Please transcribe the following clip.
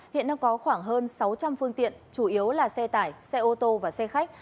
hiện đang có khoảng hơn sáu trăm linh phương tiện chủ yếu là xe tải xe ô tô và xe khách